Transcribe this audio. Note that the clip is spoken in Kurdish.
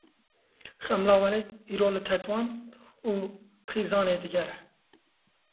Xemla Welêt îro li Tetwan û Xîzanê digere.